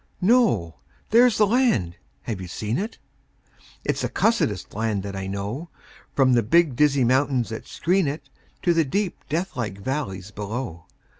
No! There's the land. (Have you seen it?) It's the cussedest land that I know, From the big, dizzy mountains that screen it To the deep, deathlike valleys below.